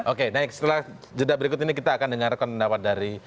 oke setelah jeda berikut ini kita akan dengar kondawan dari